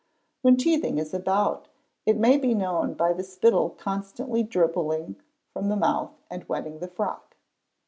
When teething is about it may be known by the spittle constantly drivelling from the mouth and wetting the frock.